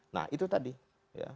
nah itu tadi ya